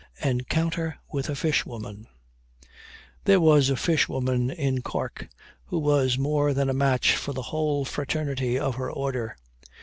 ENCOUNTER WITH A FISHWOMAN. There was a fishwoman in Cork who was more than a match for the whole fraternity of her order.